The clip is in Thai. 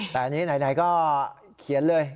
แต่อันนี้ไหนก็เขียนเลย